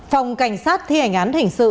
phòng cảnh sát thi hành án hình sự